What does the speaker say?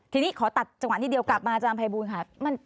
ทีนี้ขอตัดจังหวังที่เดียวกลับมาอาจารย์อำไพบูรณ์ค่ะ